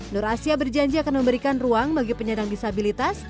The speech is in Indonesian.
nur asia berjanji akan memberikan ruang bagi penyandang disabilitas